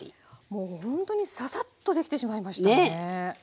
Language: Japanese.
もうほんとにささっと出来てしまいましたね。ね！